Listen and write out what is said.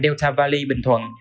delta valley bình thuận